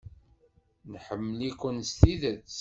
Nḥemmel-iken s tidet.